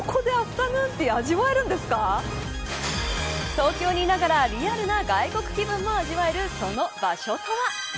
東京にいながらリアルな外国気分も味わえるその場所とは。